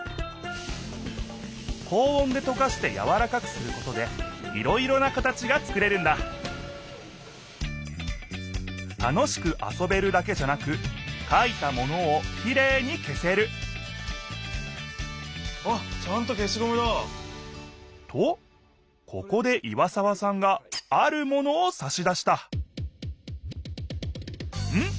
高温でとかしてやわらかくすることでいろいろな形が作れるんだ楽しくあそべるだけじゃなくかいたものをきれいに消せるあっちゃんと消しゴムだ！とここで岩沢さんがあるものをさし出したんっ？